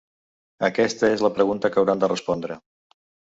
Aquesta és la pregunta que hauran de respondre.